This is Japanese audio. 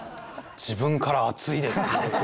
自分から「熱いです！」って言う。